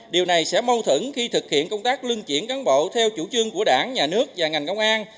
điều này sẽ mâu thửng khi thực hiện công tác lưng chuyển cán bộ theo chủ trương của đảng nhà nước và ngành công an